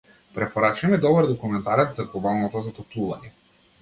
Препорачај ми добар документарец за глобалното затоплување.